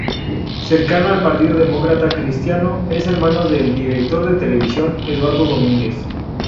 Cercano al Partido Demócrata Cristiano, es hermano del director de televisión Eduardo Domínguez.